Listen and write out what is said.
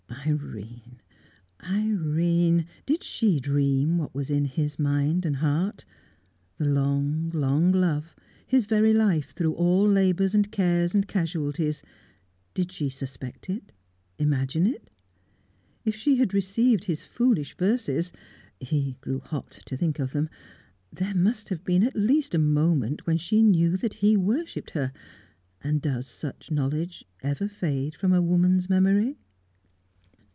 Irene! Irene! Did she dream what was in his mind and heart? The long, long love, his very life through all labours and cares and casualties did she suspect it, imagine it? If she had received his foolish verses (he grew hot to think of them), there must have been at least a moment when she knew that he worshipped her, and does such knowledge ever fade from a woman's memory?